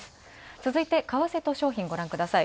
続いて為替と商品ご覧ください。